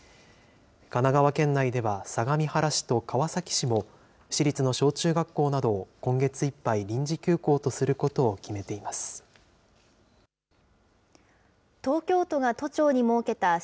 神奈川県内では相模原市と川崎市も、市立の小中学校などを今月いっぱい、臨時休校とすることを決めています。